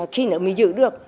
khi nữa mới giữ được